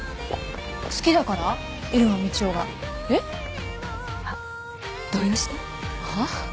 好きだから入間みちおが。えっ！？あっ動揺した？はっ？